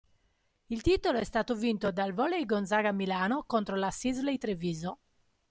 Il titolo è stato vinto dal Volley Gonzaga Milano contro la Sisley Treviso.